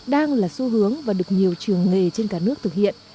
đang là xu hướng và được nhiều trường nghề trên cả nước thực hiện